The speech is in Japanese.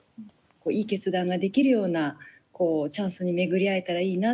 いい決断ができるようなチャンスに巡り合えたらいいなって思っています。